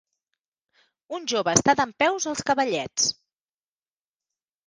Un jove està dempeus als cavallets.